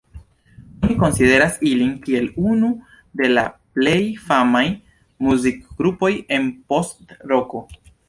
Oni konsideras ilin kiel unu de la plej famaj muzikgrupoj en post-roko.